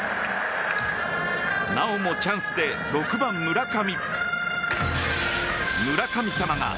なおもチャンスで６番、村上。